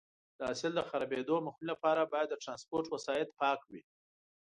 د حاصل د خرابېدو مخنیوي لپاره باید د ټرانسپورټ وسایط پاک وي.